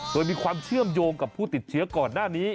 โดยมีความเชื่อมโยงกับผู้ติดเชื้อก่อนหน้านี้